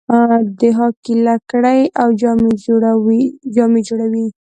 د هاکي لکړې او جامې جوړوي.